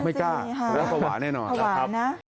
ไม่กล้าเพราะว่าภาวะแน่นอนภาวะนะ